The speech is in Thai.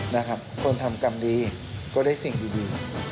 นะครับคนทำกรรมดีก็ได้สิ่งดี